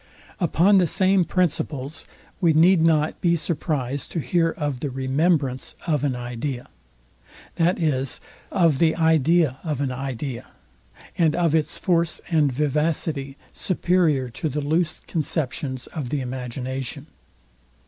Upon the same principles we need not be surprized to hear of the remembrance of an idea: that is, of the idea of an idea, and of its force and vivacity superior to the loose conceptions of the imagination.